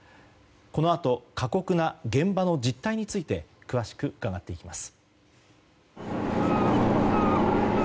このあと過酷な現場の実態について詳しく伺っていきます。